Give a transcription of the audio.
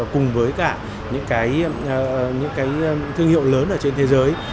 cùng với cả những cái thương hiệu lớn ở trên thế giới